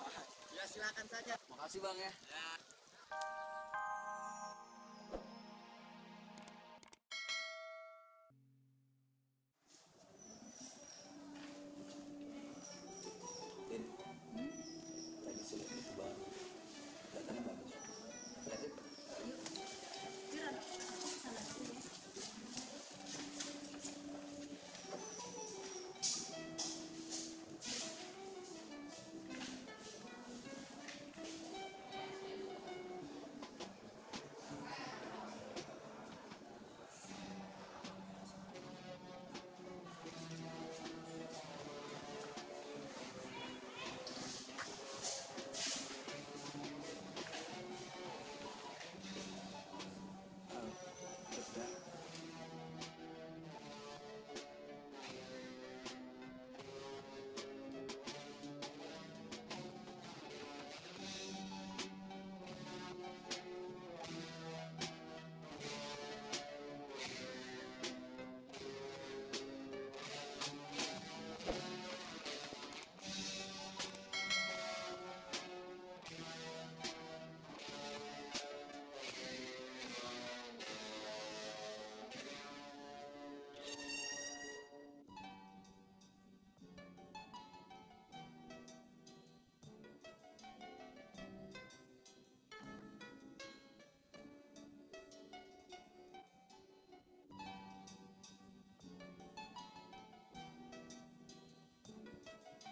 dari sekolah bang